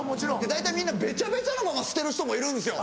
大体みんなベチャベチャのまま捨てる人もいるんですよ。